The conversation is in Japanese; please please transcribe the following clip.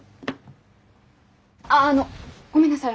あああのごめんなさい